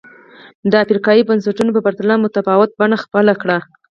د افریقايي بنسټونو په پرتله متفاوته بڼه خپله کړه.